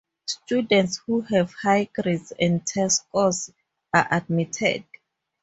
Students who have high grades and test scores are admitted.